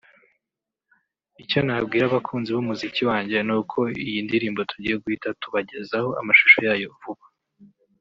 Icyo nabwira abakunzi b’umuziki wanjye ni uko iyi ndirimbo tugiye guhita tubagezaho amashusho yayo vuba